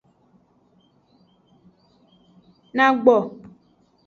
Nagbo.